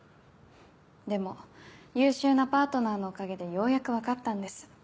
でも優秀なパートナーのおかげでようやく分かったんです。